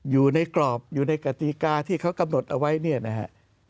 อยู่ในกรอบอยู่ในกติกาที่เขากำหนดเอาไว้เนี่ยนะฮะ